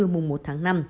mùng một tháng năm